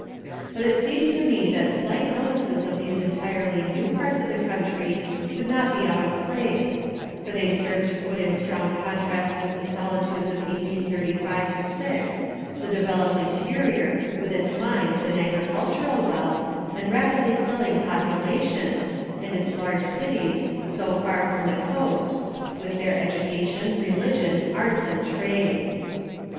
But it seemed to me that slight notices of these entirely new parts of the country would not be out of place, for they serve to put in strong contrast with the solitudes of 1835 6 the developed interior, with its mines, and agricultural wealth, and rapidly filling population, and its large cities, so far from the coast, with their education, religion, arts, and trade.